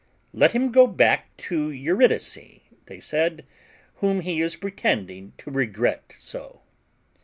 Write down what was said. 'Let him go back to Eurydice,' they said, 'whom he is pretending to regret so.'